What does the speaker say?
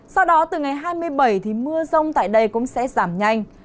sau đó từ ngày hai mươi bảy thì mưa rông tại đây cũng sẽ giảm nhanh